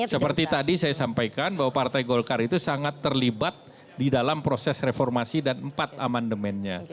seperti tadi saya sampaikan bahwa partai golkar itu sangat terlibat di dalam proses reformasi dan empat amandemennya